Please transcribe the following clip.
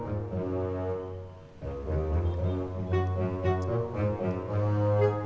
jadi apa yang neng ani kamu simpen jak